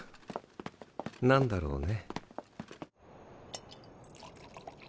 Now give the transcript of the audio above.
何だろうね。